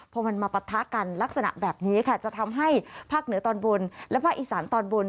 พอมันมาปะทะกันลักษณะแบบนี้ค่ะจะทำให้ภาคเหนือตอนบนและภาคอีสานตอนบน